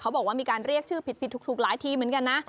บอกว่ามีการเรียกชื่อผิดถูกหลายทีเหมือนกันนะ